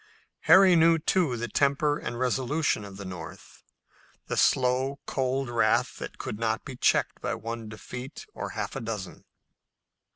Harry knew, too, the temper and resolution of the North, the slow, cold wrath that could not be checked by one defeat or half a dozen.